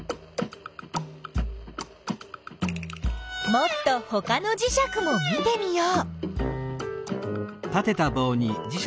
もっとほかのじしゃくも見てみよう。